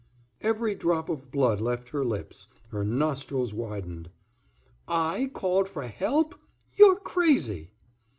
Every drop of blood left her lips, her nostrils widened. "I called for help? You're crazy."